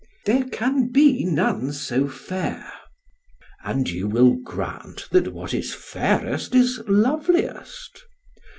"There can be none so fair. "And you will grant that what is fairest is loveliest?